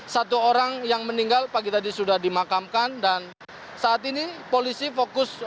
satu orang yang meninggal pagi tadi sudah dimakamkan dan saat ini polisi fokus